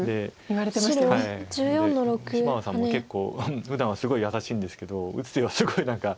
芝野さんも結構ふだんはすごい優しいんですけど打つ手はすごい何か。